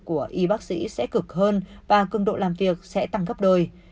của y bác sĩ sẽ cực hơn và cường độ làm việc sẽ tăng gấp đôi